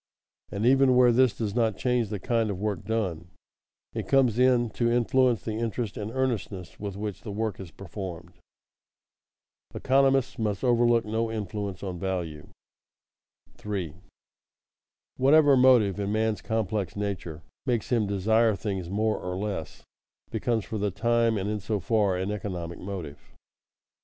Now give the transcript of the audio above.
And even where this does not change the kind of work done, it comes in to influence the interest and earnestness with which the work is performed. [Sidenote: Economists must overlook no influence on value] 3. _Whatever motive in man's complex nature makes him desire things more or less, becomes for the time, and in so far, an economic motive.